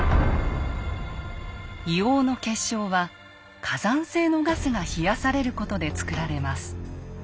硫黄の結晶は火山性のガスが冷やされることで作られます。